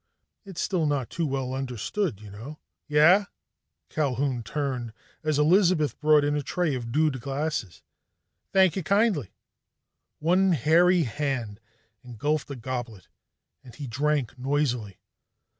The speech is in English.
"It's still not too well understood, you know." "Yeh?" Culquhoun turned as Elizabeth brought in a tray of dewed glasses. "Thank'ee kindly." One hairy hand engulfed a goblet and he drank noisily.